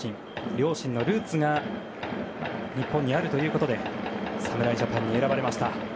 両親のルーツが日本にあるということで侍ジャパンに選ばれました。